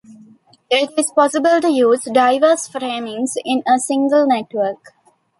It is possible to use diverse framings in a single network.